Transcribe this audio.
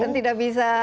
dan tidak bisa